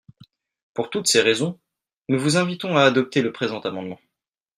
Pour toutes ces raisons, nous vous invitons à adopter le présent amendement.